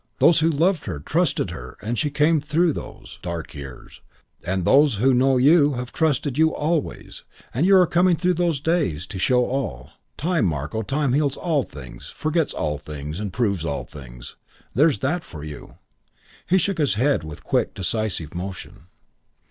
Those who loved her trusted her and she has come through those dark years; and those who know you have trusted you always, and you are coming through those days to show to all. Time, Marko; time heals all things, forgets all things, and proves all things. There's that for you." He shook his head with a quick, decisive motion.